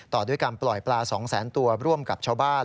ต่อด้วยการปล่อยปลา๒แสนตัวร่วมกับชาวบ้าน